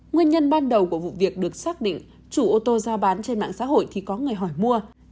nguyên nhân ban đầu của vụ việc được xác định chủ ô tô giao bán trên mạng xã hội thì có người hỏi mua